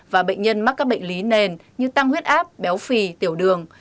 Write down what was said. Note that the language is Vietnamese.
và bệnh nhân mắc các bệnh lý nền như tăng huyết áp béo phì tiểu đường